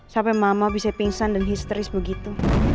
sampai mama bisa pingsan dan histeris begitu